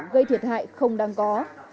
gây thiệt hại không đáng có